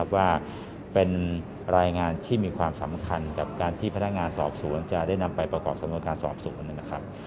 ว่าเป็นรายงานที่มีความสำคัญกับการที่พนักงานสอบสวนจะได้นำไปประกอบสำนวนการสอบสวนนะครับ